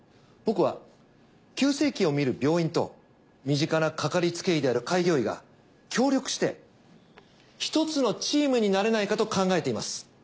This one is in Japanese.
僕は急性期を診る病院と身近なかかりつけ医である開業医が協力してひとつのチームになれないかと考えています。